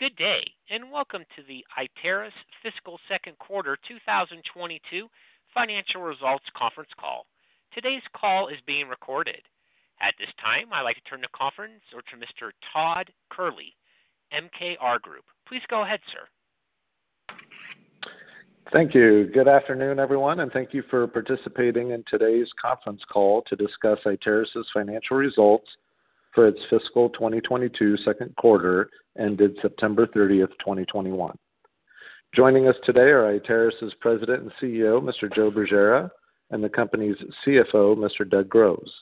Good day, and welcome to the Iteris fiscal second quarter 2022 financial results conference call. Today's call is being recorded. At this time, I'd like to turn the conference over to Mr. Todd Kehrli, MKR Group. Please go ahead, sir. Thank you. Good afternoon, everyone, and thank you for participating in today's conference call to discuss Iteris' financial results for its fiscal 2022 second quarter ended September 30th, 2021. Joining us today are Iteris' President and CEO, Mr. Joe Bergera, and the company's CFO, Mr. Doug Groves.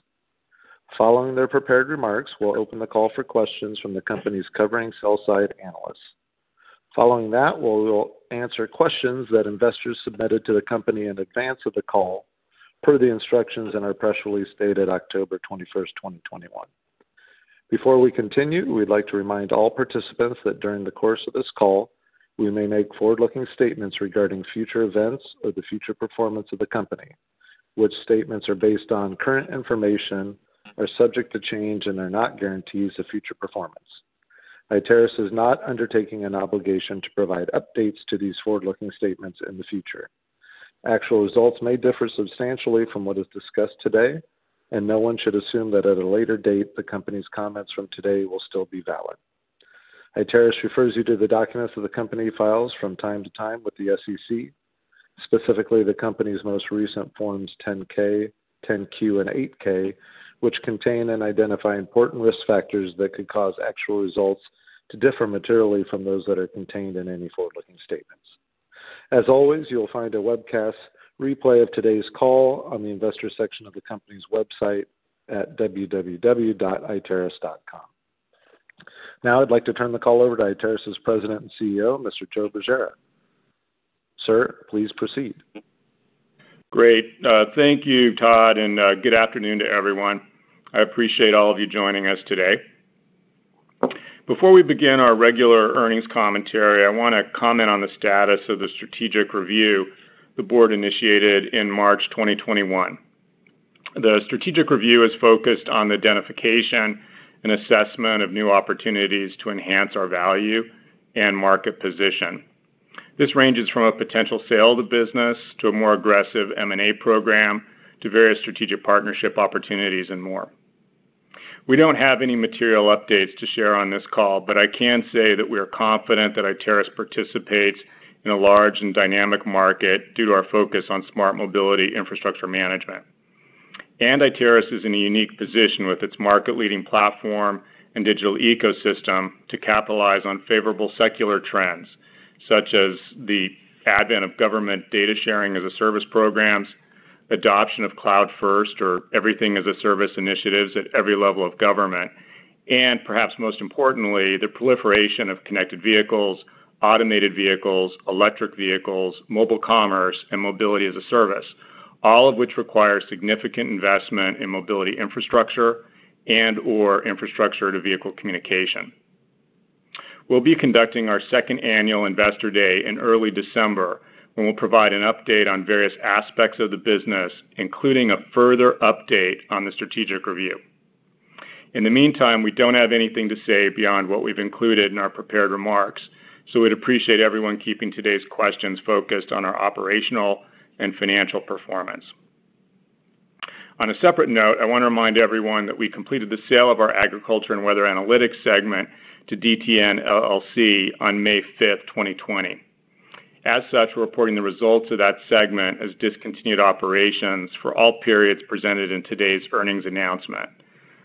Following their prepared remarks, we'll open the call for questions from the company's covering sell-side analysts. Following that, we will answer questions that investors submitted to the company in advance of the call per the instructions in our press release dated October 21st, 2021. Before we continue, we'd like to remind all participants that during the course of this call, we may make forward-looking statements regarding future events or the future performance of the company, which statements are based on current information, are subject to change and are not guarantees of future performance. Iteris is not undertaking an obligation to provide updates to these forward-looking statements in the future. Actual results may differ substantially from what is discussed today, and no one should assume that at a later date, the company's comments from today will still be valid. Iteris refers you to the documents that the company files from time to time with the SEC, specifically the company's most recent Forms 10-K, 10-Q and 8-K, which contain and identify important risk factors that could cause actual results to differ materially from those that are contained in any forward-looking statements. As always, you'll find a webcast replay of today's call on the Investors section of the company's website at www.iteris.com. Now I'd like to turn the call over to Iteris' President and CEO, Mr. Joe Bergera. Sir, please proceed. Great. Thank you, Todd, and good afternoon to everyone. I appreciate all of you joining us today. Before we begin our regular earnings commentary, I wanna comment on the status of the strategic review the board initiated in March 2021. The strategic review is focused on the identification and assessment of new opportunities to enhance our value and market position. This ranges from a potential sale of the business to a more aggressive M&A program to various strategic partnership opportunities and more. We don't have any material updates to share on this call, but I can say that we are confident that Iteris participates in a large and dynamic market due to our focus on smart mobility infrastructure management. Iteris is in a unique position with its market-leading platform and digital ecosystem to capitalize on favorable secular trends, such as the advent of government data sharing as a service programs, adoption of cloud-first or everything as a service initiatives at every level of government, and perhaps most importantly, the proliferation of connected vehicles, automated vehicles, electric vehicles, mobile commerce, and mobility as a service, all of which require significant investment in mobility infrastructure and/or infrastructure to vehicle communication. We'll be conducting our second annual Investor Day in early December, when we'll provide an update on various aspects of the business, including a further update on the strategic review. In the meantime, we don't have anything to say beyond what we've included in our prepared remarks, so we'd appreciate everyone keeping today's questions focused on our operational and financial performance. On a separate note, I want to remind everyone that we completed the sale of our agriculture and weather analytics segment to DTN, LLC on May 5th, 2020. As such, we're reporting the results of that segment as discontinued operations for all periods presented in today's earnings announcement.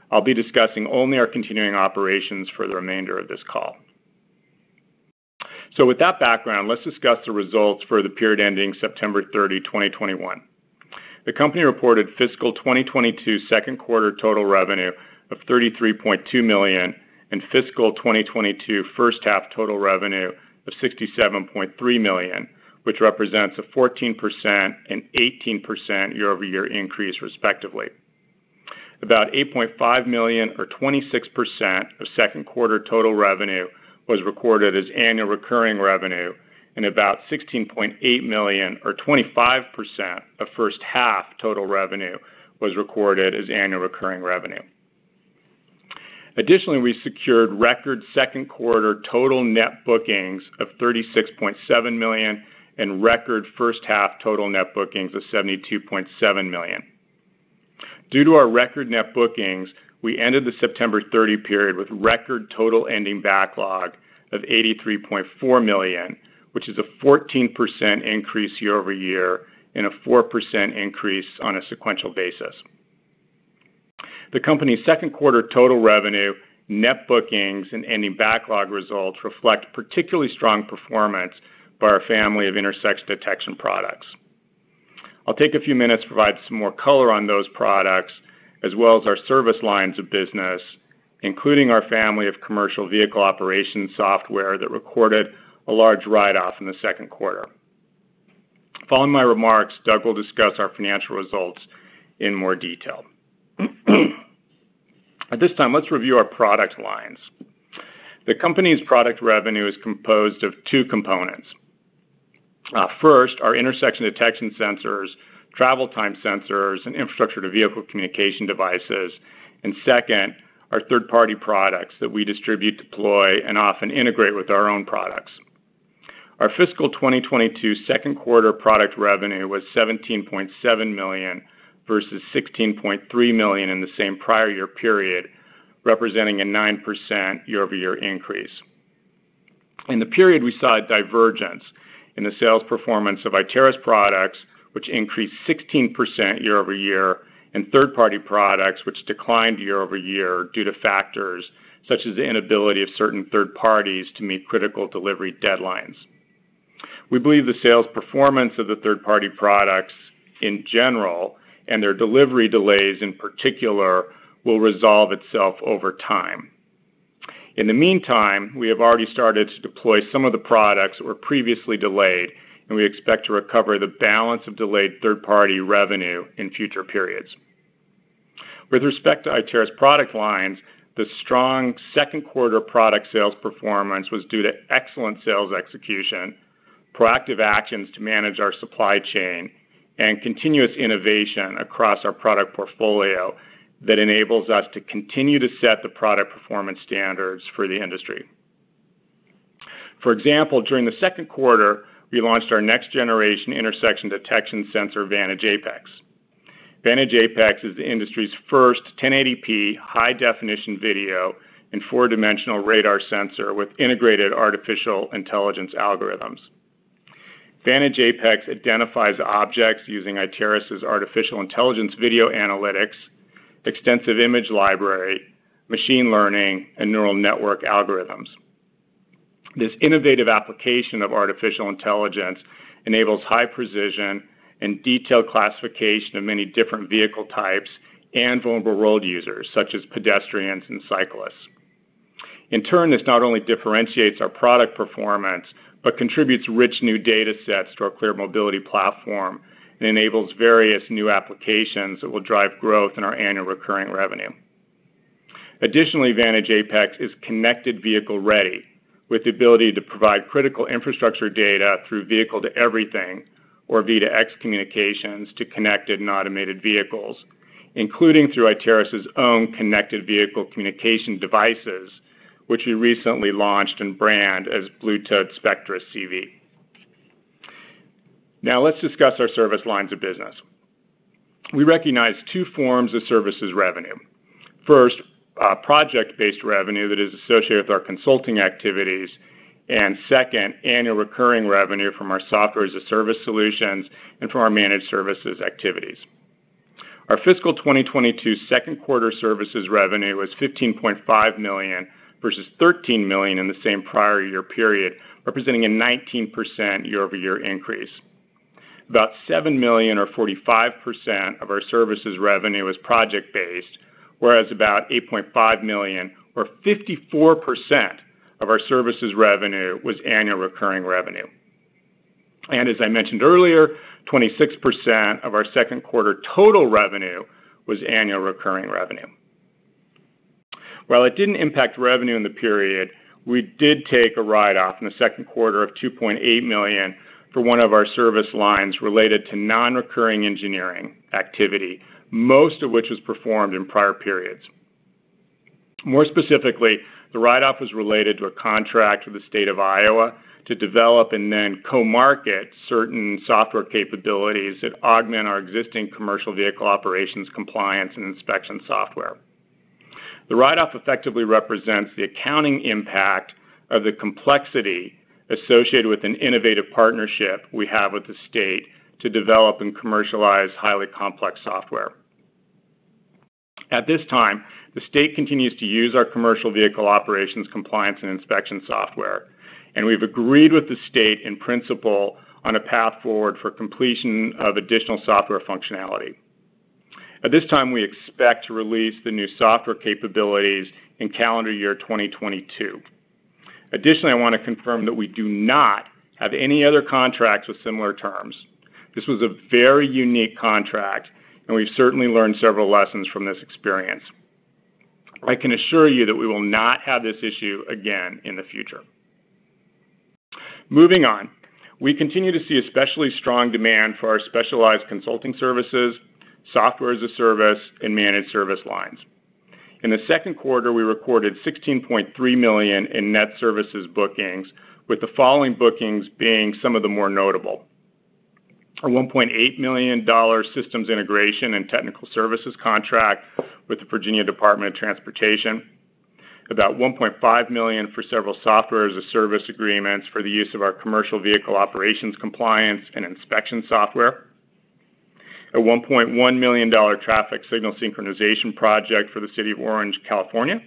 I'll be discussing only our continuing operations for the remainder of this call. With that background, let's discuss the results for the period ending September 30th, 2021. The company reported fiscal 2022 second quarter total revenue of $33.2 million and fiscal 2022 first half total revenue of $67.3 million, which represents a 14% and 18% year-over-year increase, respectively. About $8.5 million or 26% of second quarter total revenue was recorded as annual recurring revenue, and about $16.8 million or 25% of first half total revenue was recorded as annual recurring revenue. Additionally, we secured record second quarter total net bookings of $36.7 million and record first half total net bookings of $72.7 million. Due to our record net bookings, we ended the September 30th period with record total ending backlog of $83.4 million, which is a 14% increase year-over-year and a 4% increase on a sequential basis. The company's second quarter total revenue, net bookings and ending backlog results reflect particularly strong performance by our family of intersection detection products. I'll take a few minutes to provide some more color on those products as well as our service lines of business, including our family of commercial vehicle operations software that recorded a large write-off in the second quarter. Following my remarks, Doug will discuss our financial results in more detail. At this time, let's review our product lines. The company's product revenue is composed of two components. First, our intersection detection sensors, travel time sensors, and infrastructure-to-vehicle communication devices. Second, our third-party products that we distribute, deploy, and often integrate with our own products. Our fiscal 2022 second quarter product revenue was $17.7 million, versus $16.3 million in the same prior year period, representing a 9% year-over-year increase. In the period, we saw a divergence in the sales performance of Iteris products, which increased 16% year-over-year, and third-party products, which declined year-over-year due to factors such as the inability of certain third parties to meet critical delivery deadlines. We believe the sales performance of the third-party products in general, and their delivery delays in particular, will resolve itself over time. In the meantime, we have already started to deploy some of the products that were previously delayed, and we expect to recover the balance of delayed third-party revenue in future periods. With respect to Iteris product lines, the strong second quarter product sales performance was due to excellent sales execution, proactive actions to manage our supply chain, and continuous innovation across our product portfolio that enables us to continue to set the product performance standards for the industry. For example, during the second quarter, we launched our next generation intersection detection sensor, Vantage Apex. Vantage Apex is the industry's first 1080p high definition video and 4D radar sensor with integrated artificial intelligence algorithms. Vantage Apex identifies objects using Iteris' artificial intelligence video analytics, extensive image library, machine learning, and neural network algorithms. This innovative application of artificial intelligence enables high precision and detailed classification of many different vehicle types and vulnerable road users, such as pedestrians and cyclists. In turn, this not only differentiates our product performance, but contributes rich new data sets to our ClearMobility platform and enables various new applications that will drive growth in our annual recurring revenue. Additionally, Vantage Apex is connected vehicle ready, with the ability to provide critical infrastructure data through vehicle-to-everything or V2X communications to connected and automated vehicles, including through Iteris' own connected vehicle communication devices, which we recently launched and brand as BlueTOAD Spectra CV. Now let's discuss our service lines of business. We recognize two forms of services revenue. First, project-based revenue that is associated with our consulting activities, and second, annual recurring revenue from our software-as-a-service solutions and from our managed services activities. Our fiscal 2022 second quarter services revenue was $15.5 million, versus $13 million in the same prior year period, representing a 19% year-over-year increase. About $7 million, or 45%, of our services revenue was project-based, whereas about $8.5 million, or 54%, of our services revenue was annual recurring revenue. As I mentioned earlier, 26% of our second quarter total revenue was annual recurring revenue. While it didn't impact revenue in the period, we did take a write-off in the second quarter of $2.8 million for one of our service lines related to non-recurring engineering activity, most of which was performed in prior periods. More specifically, the write-off was related to a contract with the State of Iowa to develop and then co-market certain software capabilities that augment our existing commercial vehicle operations, compliance, and inspection software. The write-off effectively represents the accounting impact of the complexity associated with an innovative partnership we have with the state to develop and commercialize highly complex software. At this time, the state continues to use our commercial vehicle operations, compliance, and inspection software, and we've agreed with the state in principle on a path forward for completion of additional software functionality. At this time, we expect to release the new software capabilities in calendar year 2022. Additionally, I want to confirm that we do not have any other contracts with similar terms. This was a very unique contract, and we've certainly learned several lessons from this experience. I can assure you that we will not have this issue again in the future. Moving on, we continue to see especially strong demand for our specialized consulting services, software-as-a-service, and managed service lines. In the second quarter, we recorded $16.3 million in net services bookings, with the following bookings being some of the more notable. A $1.8 million systems integration and technical services contract with the Virginia Department of Transportation. About $1.5 million for several software-as-a-service agreements for the use of our commercial vehicle operations, compliance, and inspection software. A $1.1 million traffic signal synchronization project for the city of Orange, California.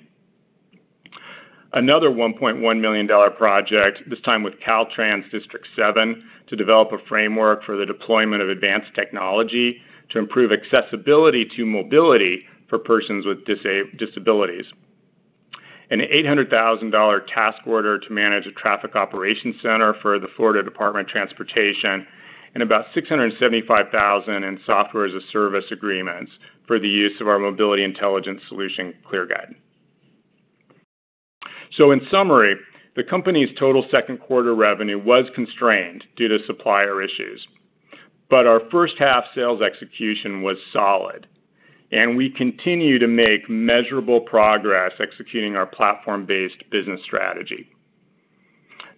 Another $1.1 million project, this time with Caltrans District 7, to develop a framework for the deployment of advanced technology to improve accessibility to mobility for persons with disabilities. An $800,000 task order to manage a traffic operations center for the Florida Department of Transportation. About $675,000 in software-as-a-service agreements for the use of our mobility intelligence solution, ClearGuide. In summary, the company's total second quarter revenue was constrained due to supplier issues. Our first half sales execution was solid, and we continue to make measurable progress executing our platform-based business strategy.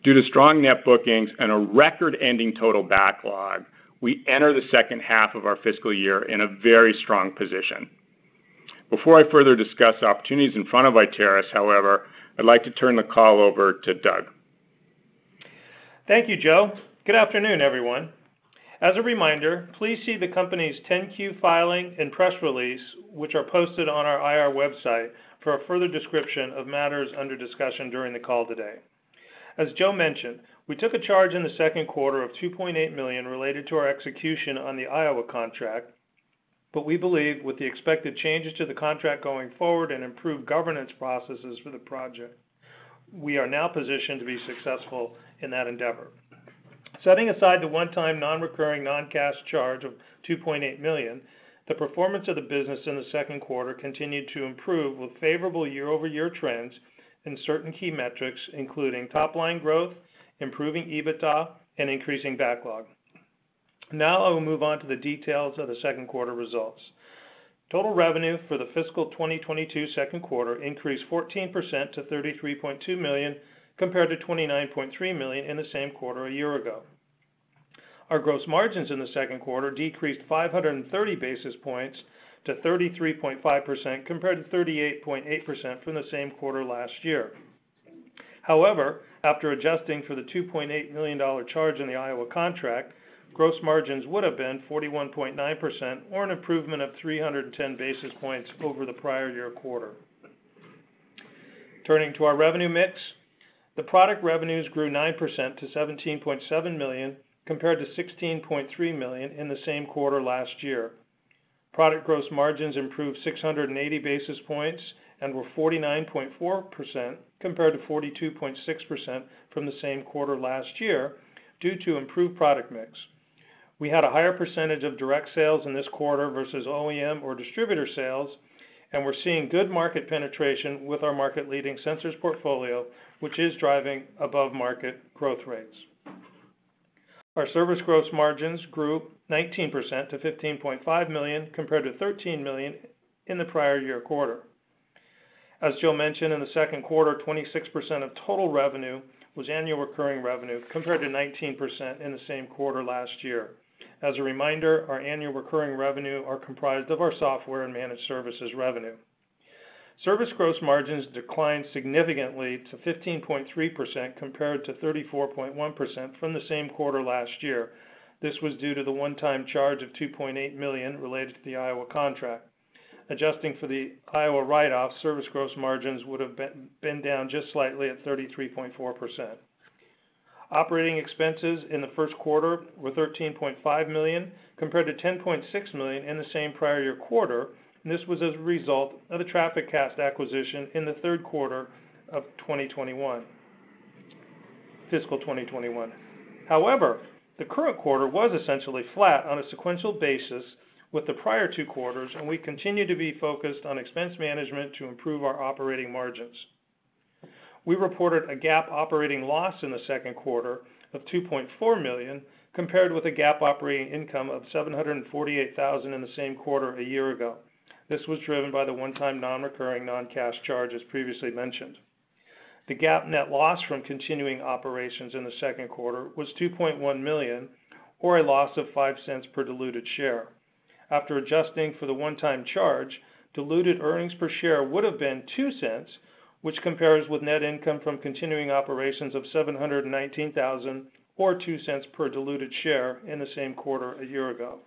Due to strong net bookings and a record-ending total backlog, we enter the second half of our fiscal year in a very strong position. Before I further discuss opportunities in front of Iteris, however, I'd like to turn the call over to Doug. Thank you, Joe. Good afternoon, everyone. As a reminder, please see the company's 10-Q filing and press release, which are posted on our IR website for a further description of matters under discussion during the call today. As Joe mentioned, we took a charge in the second quarter of $2.8 million related to our execution on the Iowa contract. We believe with the expected changes to the contract going forward and improved governance processes for the project, we are now positioned to be successful in that endeavor. Setting aside the one-time non-recurring non-cash charge of $2.8 million, the performance of the business in the second quarter continued to improve with favorable year-over-year trends in certain key metrics, including top line growth, improving EBITDA, and increasing backlog. Now I will move on to the details of the second quarter results. Total revenue for the fiscal 2022 second quarter increased 14% to $33.2 million, compared to $29.3 million in the same quarter a year ago. Our gross margins in the second quarter decreased 530 basis points to 33.5%, compared to 38.8% from the same quarter last year. However, after adjusting for the $2.8 million charge in the Iowa contract, gross margins would have been 41.9% or an improvement of 310 basis points over the prior year quarter. Turning to our revenue mix, the product revenues grew 9% to $17.7 million, compared to $16.3 million in the same quarter last year. Product gross margins improved 680 basis points and were 49.4% compared to 42.6% from the same quarter last year due to improved product mix. We had a higher percentage of direct sales in this quarter versus OEM or distributor sales, and we're seeing good market penetration with our market-leading sensors portfolio, which is driving above market growth rates. Our service gross margins grew 19% to $15.5 million, compared to $13 million in the prior year quarter. As Joe mentioned, in the second quarter, 26% of total revenue was annual recurring revenue, compared to 19% in the same quarter last year. As a reminder, our annual recurring revenue are comprised of our software and managed services revenue. Service gross margins declined significantly to 15.3%, compared to 34.1% from the same quarter last year. This was due to the one-time charge of $2.8 million related to the Iowa contract. Adjusting for the Iowa write-off, service gross margins would have been down just slightly at 33.4%. Operating expenses in the first quarter were $13.5 million, compared to $10.6 million in the same prior year quarter, and this was as a result of the TrafficCast acquisition in the third quarter of fiscal 2021. However, the current quarter was essentially flat on a sequential basis with the prior two quarters, and we continue to be focused on expense management to improve our operating margins. We reported a GAAP operating loss in the second quarter of $2.4 million, compared with a GAAP operating income of $748,000 in the same quarter a year ago. This was driven by the one-time non-recurring non-cash charge, as previously mentioned. The GAAP net loss from continuing operations in the second quarter was $2.1 million, or a loss of $0.05 per diluted share. After adjusting for the one-time charge, diluted earnings per share would have been $0.02, which compares with net income from continuing operations of $719,000, or $0.02 per diluted share in the same quarter a year ago.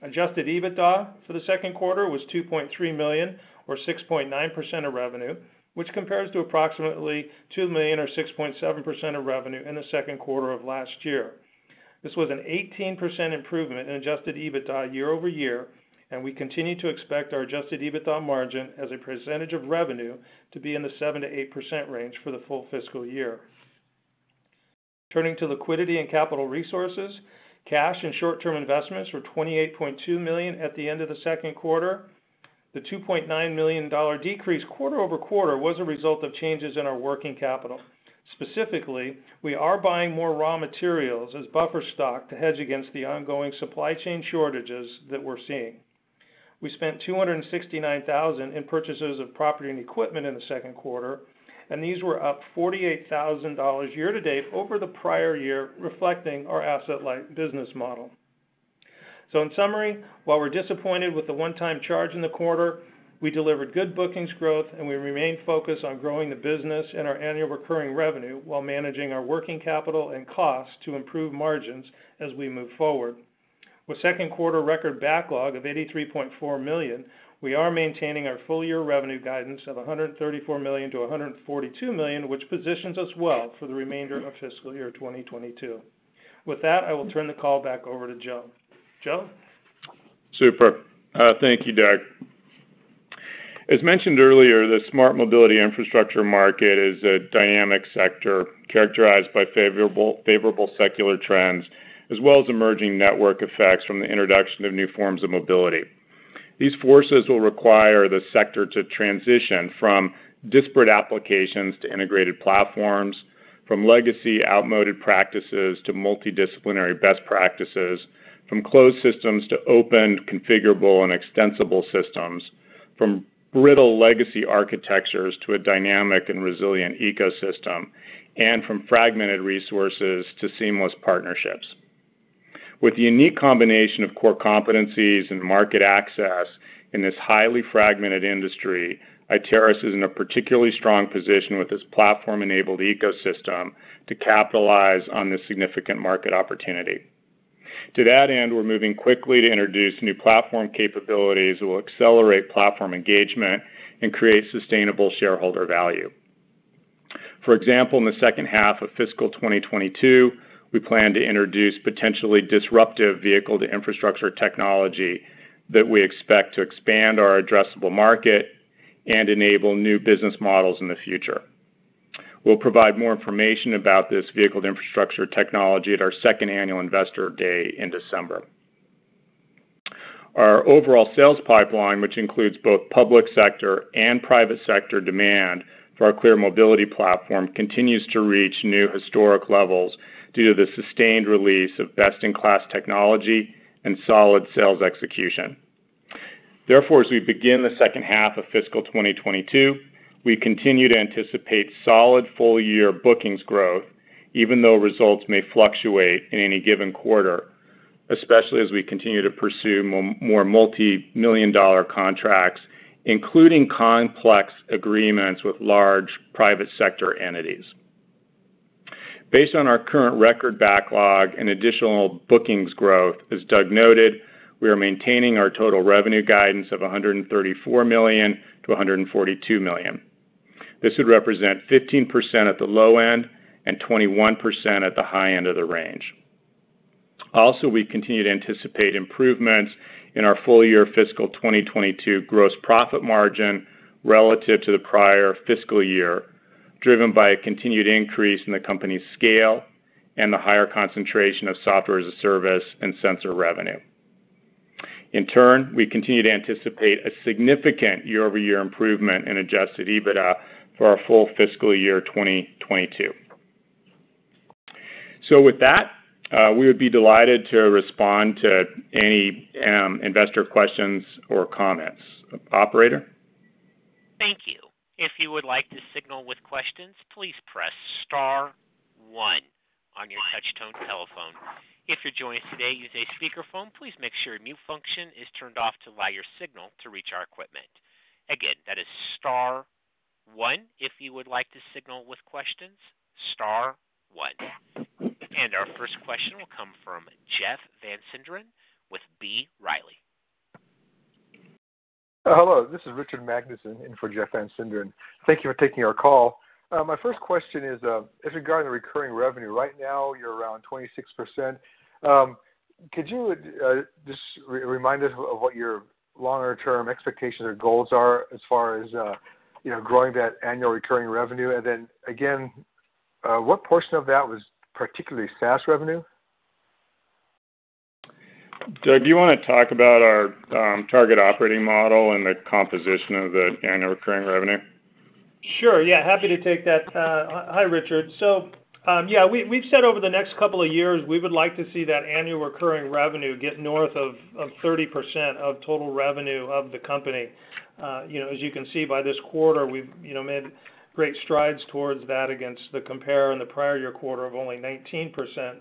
Adjusted EBITDA for the second quarter was $2.3 million or 6.9% of revenue, which compares to approximately $2 million or 6.7% of revenue in the second quarter of last year. This was an 18% improvement in adjusted EBITDA year-over-year, and we continue to expect our adjusted EBITDA margin as a percentage of revenue to be in the 7%-8% range for the full fiscal year. Turning to liquidity and capital resources. Cash and short-term investments were $28.2 million at the end of the second quarter. The $2.9 million decrease quarter-over-quarter was a result of changes in our working capital. Specifically, we are buying more raw materials as buffer stock to hedge against the ongoing supply chain shortages that we're seeing. We spent $269,000 in purchases of property and equipment in the second quarter, and these were up $48,000 year to date over the prior year, reflecting our asset light business model. In summary, while we're disappointed with the one-time charge in the quarter, we delivered good bookings growth, and we remain focused on growing the business and our annual recurring revenue while managing our working capital and costs to improve margins as we move forward. With second quarter record backlog of $83.4 million, we are maintaining our full year revenue guidance of $134 million-$142 million, which positions us well for the remainder of fiscal year 2022. With that, I will turn the call back over to Joe. Joe. Super. Thank you, Doug. As mentioned earlier, the smart mobility infrastructure market is a dynamic sector characterized by favorable secular trends, as well as emerging network effects from the introduction of new forms of mobility. These forces will require the sector to transition from disparate applications to integrated platforms, from legacy outmoded practices to multidisciplinary best practices, from closed systems to open, configurable and extensible systems, from brittle legacy architectures to a dynamic and resilient ecosystem, and from fragmented resources to seamless partnerships. With the unique combination of core competencies and market access in this highly fragmented industry, Iteris is in a particularly strong position with its platform-enabled ecosystem to capitalize on this significant market opportunity. To that end, we're moving quickly to introduce new platform capabilities that will accelerate platform engagement and create sustainable shareholder value. For example, in the second half of fiscal 2022, we plan to introduce potentially disruptive vehicle-to-infrastructure technology that we expect to expand our addressable market and enable new business models in the future. We'll provide more information about this vehicle-to-infrastructure technology at our second annual Investor Day in December. Our overall sales pipeline, which includes both public sector and private sector demand for our ClearMobility platform, continues to reach new historic levels due to the sustained release of best-in-class technology and solid sales execution. Therefore, as we begin the second half of fiscal 2022, we continue to anticipate solid full year bookings growth even though results may fluctuate in any given quarter, especially as we continue to pursue more multi-million dollar contracts, including complex agreements with large private sector entities. Based on our current record backlog and additional bookings growth, as Doug noted, we are maintaining our total revenue guidance of $134 million-$142 million. This would represent 15% at the low end and 21% at the high end of the range. Also, we continue to anticipate improvements in our full year fiscal 2022 gross profit margin relative to the prior fiscal year, driven by a continued increase in the company's scale and the higher concentration of software as a service and sensor revenue. In turn, we continue to anticipate a significant year-over-year improvement in adjusted EBITDA for our full fiscal year 2022. With that, we would be delighted to respond to any investor questions or comments. Operator? Thank you. If you would like to signal with questions, please press star one on your touchtone telephone. If you're joining us today using a speakerphone, please make sure mute function is turned off to allow your signal to reach our equipment. Again, that is star one if you would like to signal with questions, star one. Our first question will come from Jeff Van Sinderen with B. Riley. Hello, this is Richard Magnusen in for Jeff Van Sinderen. Thank you for taking our call. My first question is regarding the recurring revenue. Right now, you're around 26%. Could you just remind us of what your longer-term expectations or goals are as far as you know, growing that annual recurring revenue? Then again, what portion of that was particularly SaaS revenue? Doug, do you wanna talk about our target operating model and the composition of the annual recurring revenue? Sure. Yeah, happy to take that. Hi, Richard. Yeah, we've said over the next couple of years we would like to see that annual recurring revenue get north of 30% of total revenue of the company. You know, as you can see by this quarter, we've made great strides towards that against the compare in the prior year quarter of only 19%.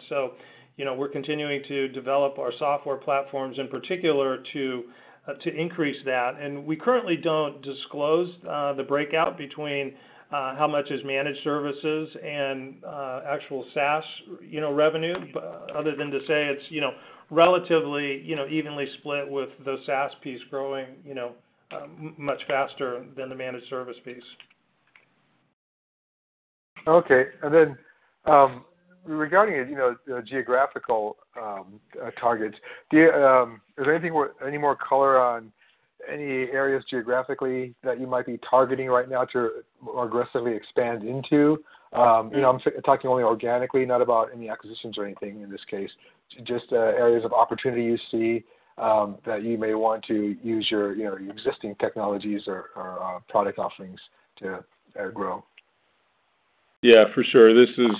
You know, we're continuing to develop our software platforms in particular to increase that. We currently don't disclose the breakout between how much is managed services and actual SaaS revenue other than to say it's relatively evenly split with the SaaS piece growing much faster than the managed service piece. Okay. Regarding, you know, geographical targets, is there any more color on any areas geographically that you might be targeting right now to more aggressively expand into? You know, I'm talking only organically, not about any acquisitions or anything in this case, just areas of opportunity you see that you may want to use your, you know, your existing technologies or product offerings to grow. Yeah, for sure. This is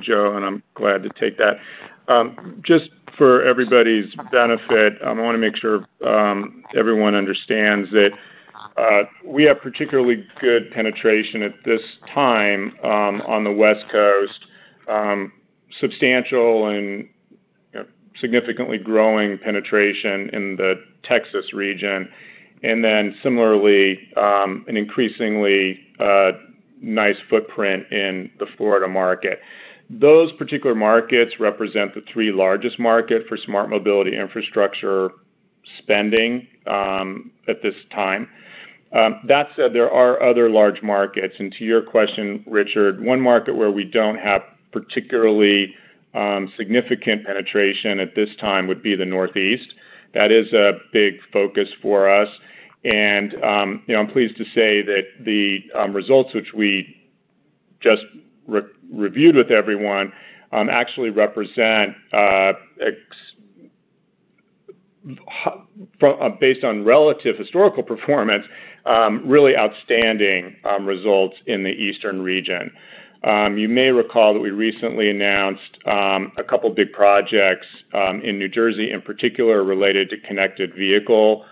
Joe, and I'm glad to take that. Just for everybody's benefit, I wanna make sure everyone understands that we have particularly good penetration at this time on the West Coast, substantial and significantly growing penetration in the Texas region, and then similarly an increasingly nice footprint in the Florida market. Those particular markets represent the three largest market for smart mobility infrastructure spending at this time. That said, there are other large markets. To your question, Richard, one market where we don't have particularly significant penetration at this time would be the Northeast. That is a big focus for us. You know, I'm pleased to say that the results which we just re-reviewed with everyone actually represent, based on relative historical performance, really outstanding results in the eastern region. You may recall that we recently announced a couple big projects in New Jersey, in particular related to connected vehicle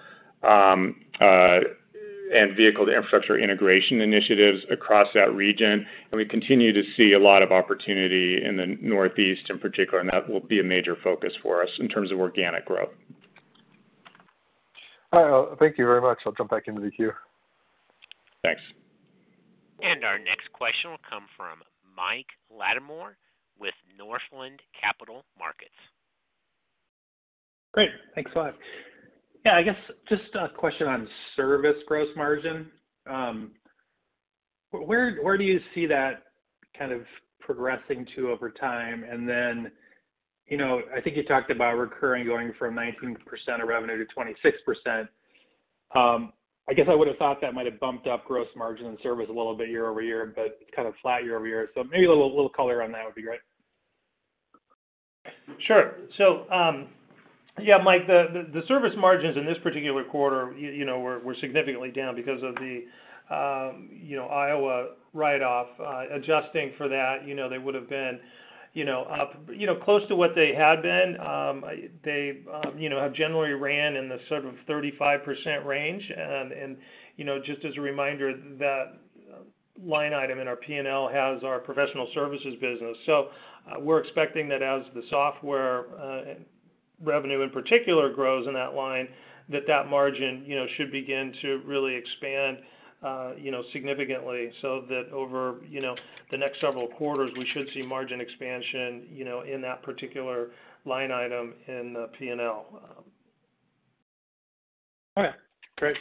and vehicle-to-infrastructure integration initiatives across that region. We continue to see a lot of opportunity in the Northeast in particular, and that will be a major focus for us in terms of organic growth. All right. Thank you very much. I'll jump back into the queue. Thanks. Our next question will come from Mike Latimore with Northland Capital Markets. Great. Thanks a lot. Yeah, I guess just a question on service gross margin. Where do you see that kind of progressing to over time? You know, I think you talked about recurring going from 19% of revenue to 26%. I guess I would have thought that might have bumped up gross margin and service a little bit year-over-year, but kind of flat year-over-year. Maybe a little color on that would be great. Sure. Yeah, Mike, the service margins in this particular quarter, you know, were significantly down because of the, you know, Iowa write-off. Adjusting for that, you know, they would have been, you know, up, you know, close to what they had been. They, you know, have generally ran in the sort of 35% range. You know, just as a reminder, that line item in our P&L has our professional services business. We're expecting that as the software, revenue in particular grows in that line, that margin, you know, should begin to really expand, you know, significantly. That over, you know, the next several quarters, we should see margin expansion, you know, in that particular line item in the P&L. Okay, great.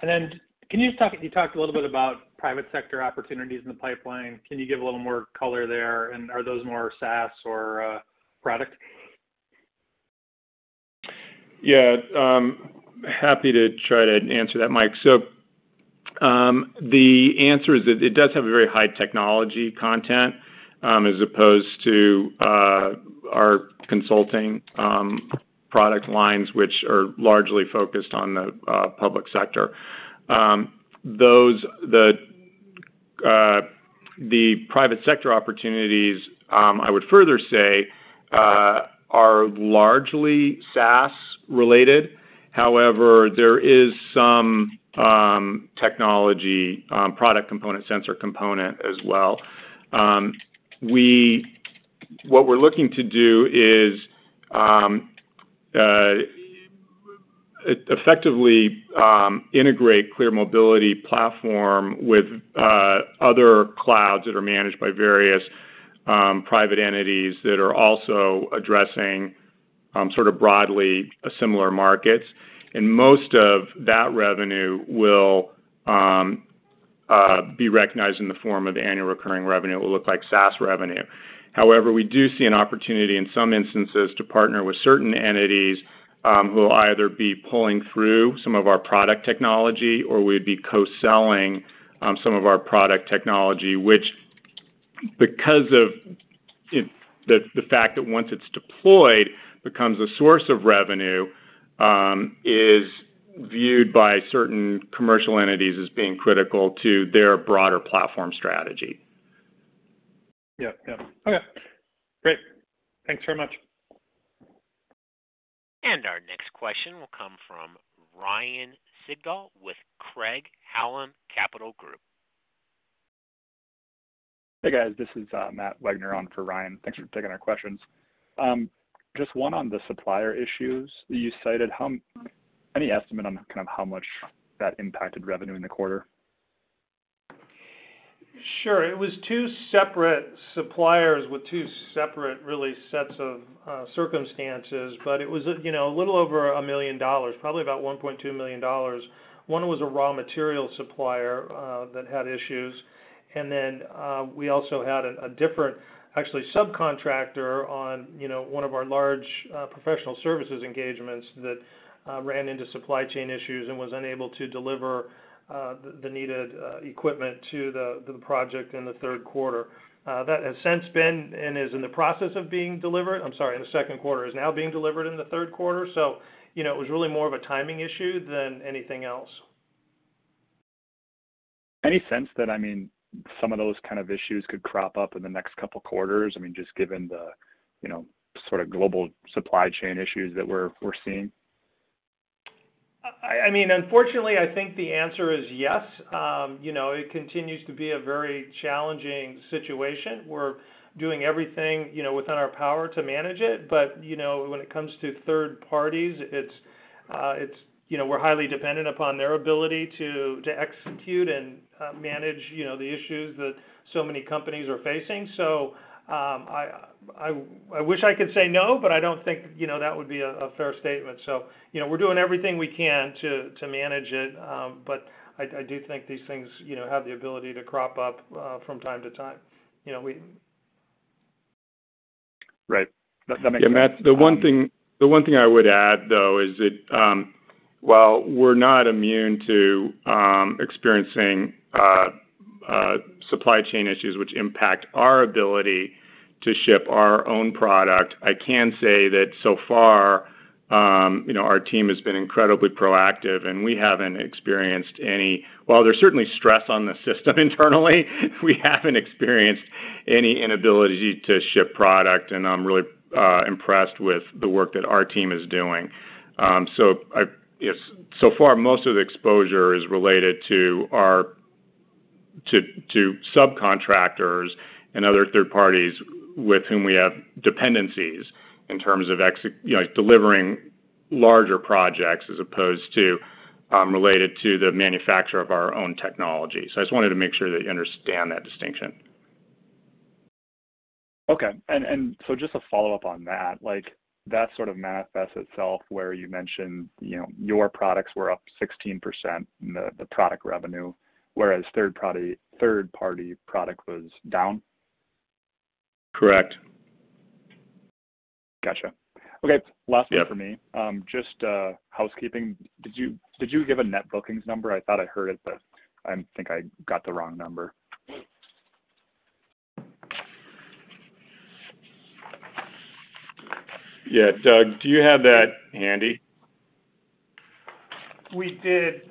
Can you just talk, you talked a little bit about private sector opportunities in the pipeline. Can you give a little more color there? Are those more SaaS or product? Yeah, happy to try to answer that, Mike. The answer is that it does have a very high technology content, as opposed to our consulting product lines, which are largely focused on the public sector. The private sector opportunities, I would further say, are largely SaaS related. However, there is some technology product component, sensor component as well. What we're looking to do is effectively integrate ClearMobility platform with other clouds that are managed by various private entities that are also addressing sort of broadly similar markets. Most of that revenue will be recognized in the form of annual recurring revenue. It will look like SaaS revenue. However, we do see an opportunity in some instances to partner with certain entities, who will either be pulling through some of our product technology or we'd be co-selling, some of our product technology, which because of the fact that once it's deployed becomes a source of revenue, is viewed by certain commercial entities as being critical to their broader platform strategy. Yeah. Yeah. Okay, great. Thanks very much. Our next question will come from Ryan Sigdahl with Craig-Hallum Capital Group. Hey, guys, this is Matt Wegner on for Ryan. Thanks for taking our questions. Just one on the supplier issues that you cited. Any estimate on kind of how much that impacted revenue in the quarter? Sure. It was two separate suppliers with two separate really sets of circumstances, but it was, you know, a little over $1 million, probably about $1.2 million. One was a raw material supplier that had issues. We also had a different actually subcontractor on, you know, one of our large professional services engagements that ran into supply chain issues and was unable to deliver the needed equipment to the project in the third quarter. That has since been and is in the process of being delivered. I'm sorry, in the second quarter. It is now being delivered in the third quarter. You know, it was really more of a timing issue than anything else. Any sense that, I mean, some of those kind of issues could crop up in the next couple quarters? I mean, just given the, you know, sort of global supply chain issues that we're seeing. I mean, unfortunately, I think the answer is yes. You know, it continues to be a very challenging situation. We're doing everything, you know, within our power to manage it. You know, when it comes to third parties, it's, you know, we're highly dependent upon their ability to execute and manage, you know, the issues that so many companies are facing. I wish I could say no, but I don't think, you know, that would be a fair statement. You know, we're doing everything we can to manage it. I do think these things, you know, have the ability to crop up from time to time. You know, we Right. That makes sense. Matt, the one thing I would add, though, is that while we're not immune to experiencing supply chain issues which impact our ability to ship our own product, I can say that so far you know, our team has been incredibly proactive, and we haven't experienced any. While there's certainly stress on the system internally, we haven't experienced any inability to ship product, and I'm really impressed with the work that our team is doing. Yes, so far, most of the exposure is related to our subcontractors and other third parties with whom we have dependencies in terms of you know, delivering larger projects as opposed to related to the manufacturer of our own technology. I just wanted to make sure that you understand that distinction. Okay. Just a follow-up on that, like, that sort of manifests itself where you mentioned, you know, your products were up 16%, the product revenue, whereas third-party product was down. Correct. Gotcha. Okay. Yeah. Last one for me. Just housekeeping. Did you give a net bookings number? I thought I heard it, but I think I got the wrong number. Yeah. Doug, do you have that handy? We did.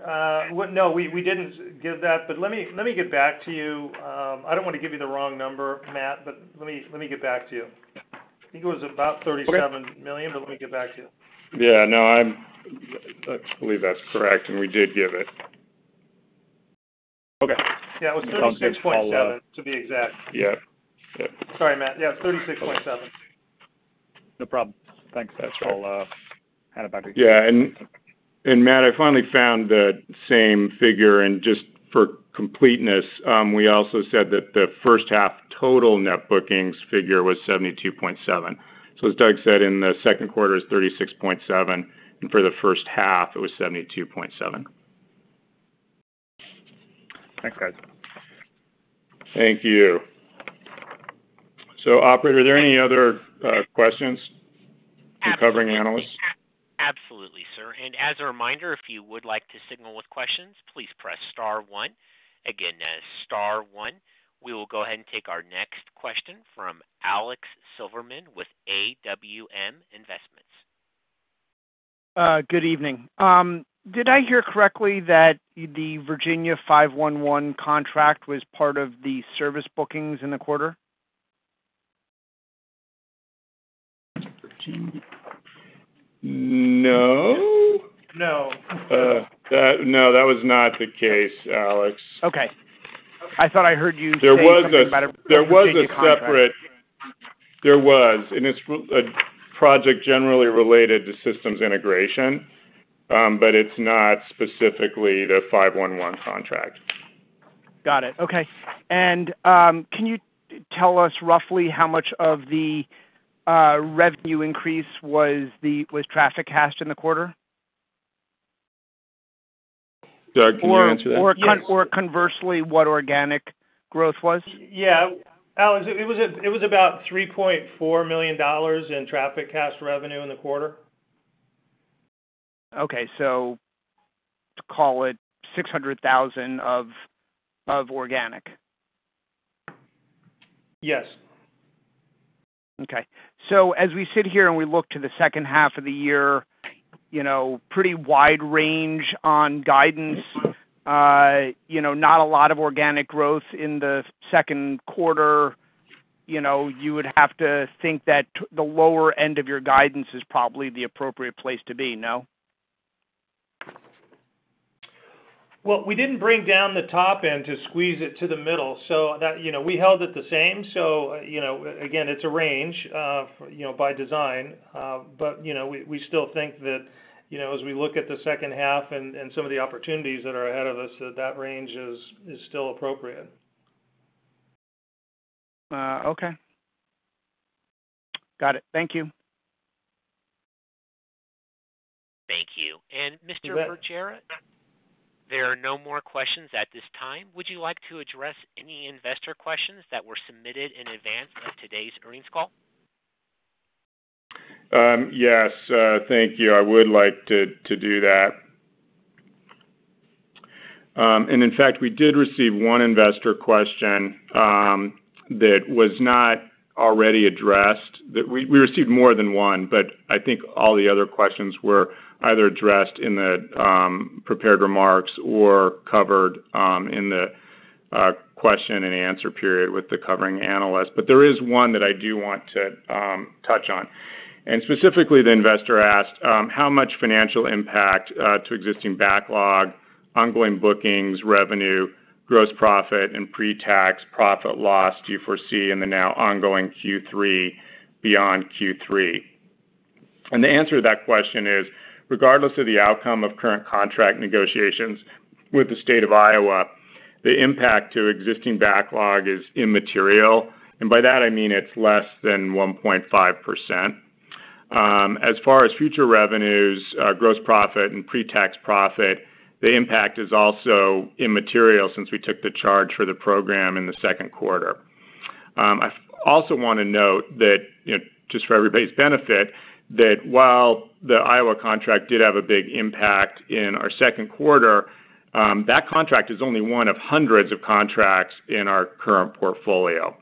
We didn't give that, but let me get back to you. I don't wanna give you the wrong number, Matt, but let me get back to you. I think it was about $37 million, but let me get back to you. Yeah. No, I believe that's correct, and we did give it. Okay. Yeah. It was $36.7 million to be exact. Yeah. Yeah. Sorry, Matt. Yeah, $36.7 million. No problem. Thanks. I'll hand it back to you. Yeah. Matt, I finally found the same figure. Just for completeness, we also said that the first half total net bookings figure was $72.7 million. As Doug said in the second quarter is $36.7 million, and for the first half, it was $72.7 million. Thanks, guys. Thank you. Operator, are there any other questions from covering analysts? Absolutely, sir. As a reminder, if you would like to signal with questions, please press star one. Again, that is star one. We will go ahead and take our next question from Alex Silverman with AWM Investment. Good evening. Did I hear correctly that the Virginia 511 contract was part of the service bookings in the quarter? No. No. No, that was not the case, Alex. Okay. I thought I heard you say something about a Virginia contract. There was a separate, there was a project generally related to systems integration, but it's not specifically the 511 contract. Got it. Okay. Can you tell us roughly how much of the revenue increase was TrafficCast in the quarter? Doug, can you answer that? Conversely, what organic growth was? Yeah. Alex, it was about $3.4 million in TrafficCast revenue in the quarter. To call it $600,000 of organic. Yes. Okay. As we sit here and we look to the second half of the year, you know, pretty wide range on guidance, you know, not a lot of organic growth in the second quarter. You know, you would have to think that the lower end of your guidance is probably the appropriate place to be, no? Well, we didn't bring down the top end to squeeze it to the middle so that. You know, we held it the same. You know, again, it's a range, you know, by design. You know, we still think that, you know, as we look at the second half and some of the opportunities that are ahead of us, that range is still appropriate. Okay. Got it. Thank you. Thank you. Mr. Bergera, there are no more questions at this time. Would you like to address any investor questions that were submitted in advance of today's earnings call? Yes, thank you. I would like to do that. In fact, we received one investor question that was not already addressed. We received more than one, but I think all the other questions were either addressed in the prepared remarks or covered in the question and answer period with the covering analyst. There is one that I do want to touch on. Specifically, the investor asked how much financial impact to existing backlog, ongoing bookings, revenue, gross profit, and pre-tax profit loss do you foresee in the now ongoing Q3 beyond Q3? The answer to that question is, regardless of the outcome of current contract negotiations with the State of Iowa, the impact to existing backlog is immaterial. By that I mean it's less than 1.5%. As far as future revenues, gross profit and pre-tax profit, the impact is also immaterial since we took the charge for the program in the second quarter. I also wanna note that, you know, just for everybody's benefit, that while the Iowa contract did have a big impact in our second quarter, that contract is only one of hundreds of contracts in our current portfolio.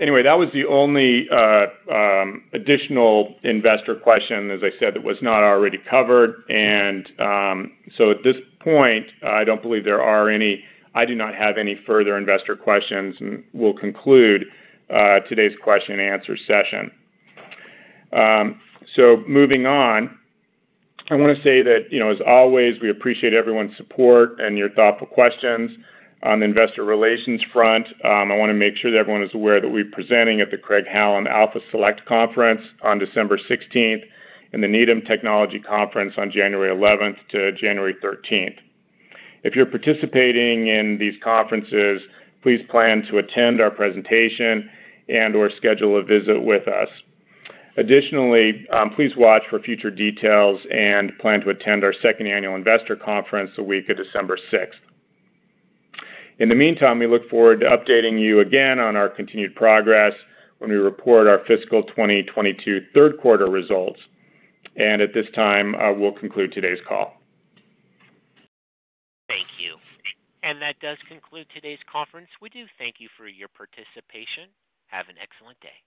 Anyway, that was the only additional investor question, as I said, that was not already covered. At this point, I don't believe there are any further investor questions, and we'll conclude today's question and answer session. Moving on, I wanna say that, you know, as always, we appreciate everyone's support and your thoughtful questions. On the investor relations front, I wanna make sure that everyone is aware that we're presenting at the Craig-Hallum Alpha Select Conference on December 16th, and the Needham Technology Conference on January 11th to January 13th. If you're participating in these conferences, please plan to attend our presentation and/or schedule a visit with us. Additionally, please watch for future details and plan to attend our second annual investor conference the week of December 6th. In the meantime, we look forward to updating you again on our continued progress when we report our fiscal 2022 third quarter results. At this time, I will conclude today's call. Thank you. That does conclude today's conference. We do thank you for your participation. Have an excellent day.